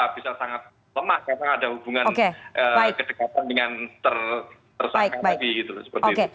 bisa sangat lemah karena ada hubungan kedekatan dengan tersangka